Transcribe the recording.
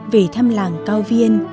về thăm làng cao viên